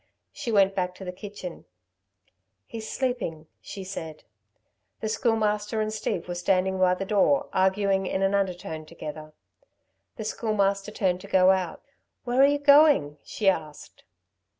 She went back to the kitchen. "He's sleeping," she said. The Schoolmaster and Steve were standing by the door arguing in an undertone together. The Schoolmaster turned to go out. "Where are you going?" she asked.